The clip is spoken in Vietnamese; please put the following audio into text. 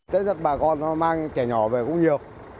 tới giấc bà con mang trẻ nhỏ về cũng nhiều